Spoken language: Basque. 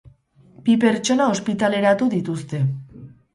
Bi pertsona ospitaleratu dituzte.